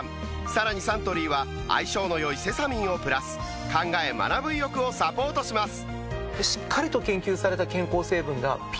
さらにサントリーは相性の良いセサミンをプラス考え学ぶ意欲をサポートします